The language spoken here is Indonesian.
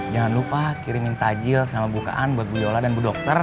jangan lupa kirimin tajil sama bukaan buat bu yola dan bu dokter